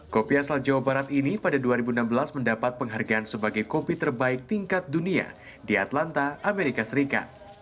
kopi asal jawa barat ini pada dua ribu enam belas mendapat penghargaan sebagai kopi terbaik tingkat dunia di atlanta amerika serikat